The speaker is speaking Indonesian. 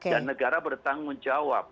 dan negara bertanggung jawab